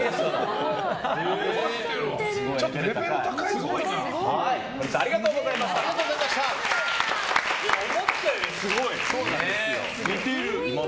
ちょっとレベル高いぞ。